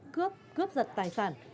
cướp cướp giật tài sản